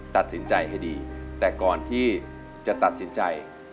ตัดสินใจให้ดีแต่ก่อนที่จะตัดสินใจ